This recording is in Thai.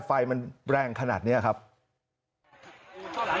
ไฟมันแรงขนาดเนี้ยครับเข้าหลังต่อเลยน่ะ